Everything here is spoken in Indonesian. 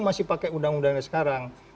masih pakai undang undangnya sekarang